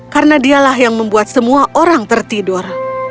karena dialah yang membuat semua orang tertidur